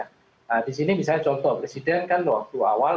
nah di sini misalnya contoh presiden kan waktu awal